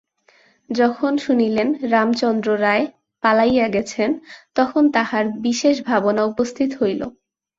যখন শুনিলেন, রামচন্দ্র রায় পালাইয়া গেছেন, তখন তাঁহার বিশেষ ভাবনা উপস্থিত হইল।